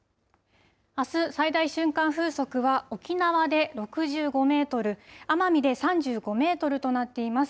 あす、最大瞬間風速は沖縄で６５メートル、奄美で３５メートルとなっています。